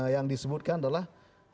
yang disebutkan adalah